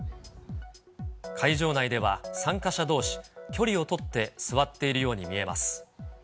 会場内では参加者どうし、距離を取って座っているように見えます。